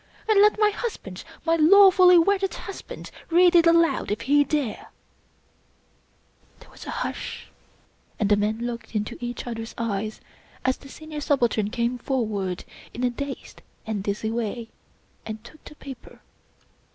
And let my husband — ^my lawfully wedded husband — read it aloud — if he dare !" There was a hush, and the men looked into each other's eyes as the Senior Subaltern came forward in a dazed and dizzy way, and took the paper.